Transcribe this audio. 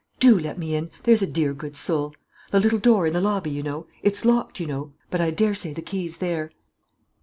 "Do let me in, there's a dear good soul. The little door in the lobby, you know; it's locked, you know, but I dessay the key's there."